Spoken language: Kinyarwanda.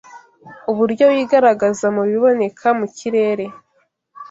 uburyo wigaragaza mu biboneka mu kirere,